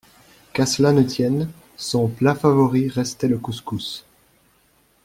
Qu’à cela ne tienne, son plat favori restait le couscous.